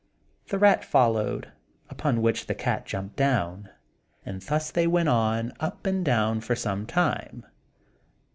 The rat followed, upon which the cat jumped down; and thus they went on up and down for some time.